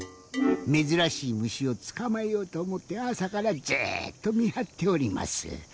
めずらしいむしをつかまえようとおもってあさからずっとみはっております。